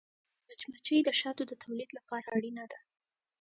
مچمچۍ د شاتو د تولید لپاره اړینه ده